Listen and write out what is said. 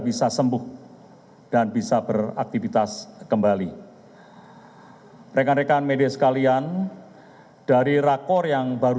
bisa sembuh dan bisa beraktivitas kembali rekan rekan media sekalian dari rakor yang baru